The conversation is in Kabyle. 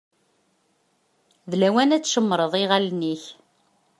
D lawan ad tcemmṛeḍ iɣallen-ik.